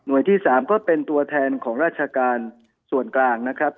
โดยที่๓ก็เป็นตัวแทนของราชการส่วนกลางนะครับ